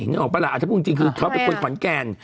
นึกออกปะละพี่จิ๋มเขาไปคุยขอนแกน